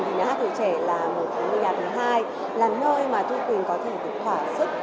nhà hát tuổi trẻ là một trong những nhà thứ hai là nơi mà thu quỳnh có thể được hỏa sức